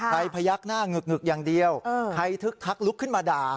พยักหน้าหงึกอย่างเดียวใครทึกทักลุกขึ้นมาด่า